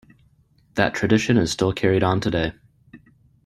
That tradition is still carried on today.